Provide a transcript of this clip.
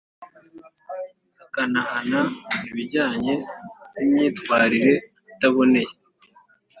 ikanahana ibijyanye n imyitwarire itaboneye